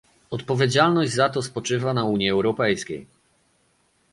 Odpowiedzialność za to spoczywa na Unii Europejskiej